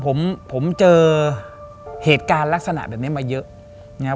ผมเจอเหตุการณ์ลักษณะแบบนี้มาเยอะ